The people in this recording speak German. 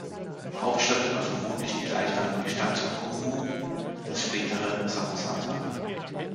Hauptstadt war vermutlich die gleichnamige Stadt Kummuh, das spätere Samosata.